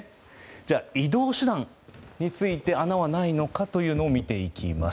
じゃあ移動手段について穴はないのかというのを見ていきます。